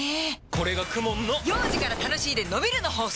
これがＫＵＭＯＮの幼児から楽しいでのびるの法則！